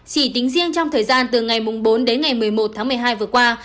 chỉ tính riêng trong thời gian từ ngày bốn đến ngày một mươi một tháng một mươi hai vừa qua